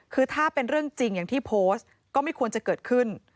คือถ้าเป็นเรื่องจริงอย่างที่โพสต์ก็ไม่ควรจะเกิดขึ้น